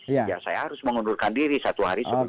ya saya harus mengundurkan diri satu hari